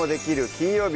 金曜日」